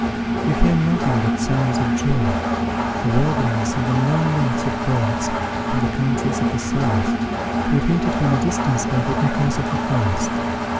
You hear nothing but sounds of joy, the warblings and unknown notes of birds from the countries of the south, repeated from a distance by the echoes of the forest.